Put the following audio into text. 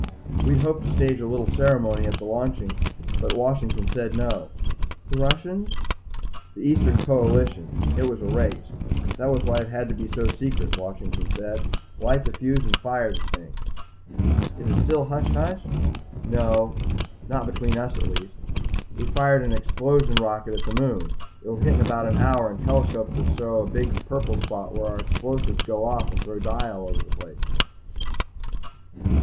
"We'd hoped to stage a little ceremony at the launching but Washington said no." "The Russians?" "The Eastern Coalition. It was a race. That was why it had to be so secret. Washington said, light the fuse and fire the thing." "Is it still hush hush?" "No. Not between us at least. We fired an explosion rocket at the moon. It will hit in about an hour and telescopes will show a big purple spot when our explosives go off and throw dye all over the place."